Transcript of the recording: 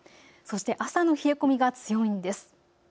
そして朝の冷え込みが強いんです。